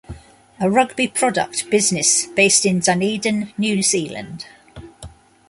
A rugby product business based in Dunedin, New Zealand.